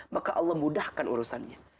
maka allah mudahkan urusannya